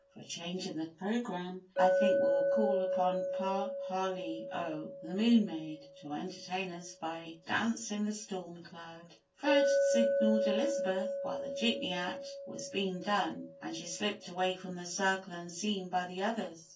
"For a change in the programme, I think we will call upon Pah hlee oh, The Moon Maid, to entertain us by dancing the Storm Cloud." Fred had signalled Elizabeth while the Jitney act was being done, and she slipped away from the circle unseen by the others.